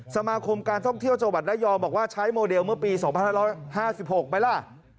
สมาคมการท่องเที่ยวจังหวัดระยองบอกว่าใช้โมเดลเมื่อปี๒๕๕๖ไหมล่ะ